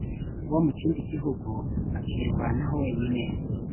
wo mu kindi gihugu akirwanaho wenyine